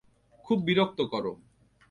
খুব বিরক্ত কর।